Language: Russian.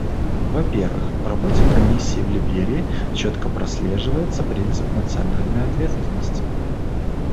Во-первых, в работе Комиссии в Либерии четко прослеживается принцип национальной ответственности.